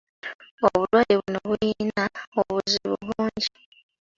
Obulwadde buno buyina obuzibu bungi.